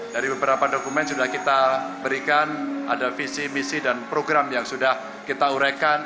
dari beberapa dokumen sudah kita berikan ada visi misi dan program yang sudah kita urekan